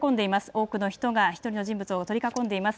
多くの人が１人の人物を取り囲んでいます。